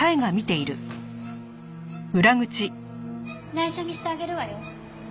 内緒にしてあげるわよ。